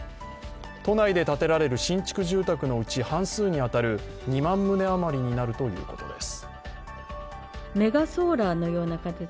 都内で建てられる新築住宅のうち半数に当たる２万棟余りになるということです。